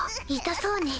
痛そうね。